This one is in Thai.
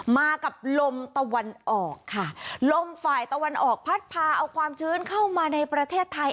มากับลมตะวันออกค่ะลมฝ่ายตะวันออกพัดพาเอาความชื้นเข้ามาในประเทศไทย